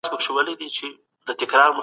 بهرنیان خپل کارکوونکي د ځانه سره راوړي.